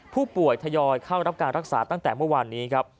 ผู้ป่วยทยอยเข้ารับการรักษาตั้งแต่เมื่อวานนี้ครับ